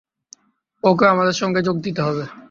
ওকেও আমাদের সঙ্গে যোগ দিতে হবে।